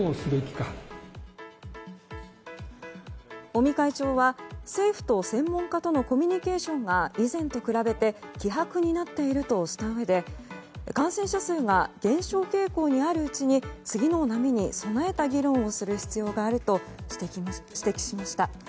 尾身会長は、政府と専門家とのコミュニケーションが以前と比べて希薄になっているとしたうえで感染者数が減少傾向にあるうちに次の波に備えた議論をする必要があると指摘しました。